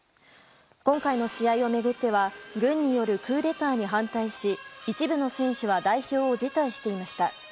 今回の試合を巡っては軍によるクーデターに反対し一部の選手が代表を辞退していました。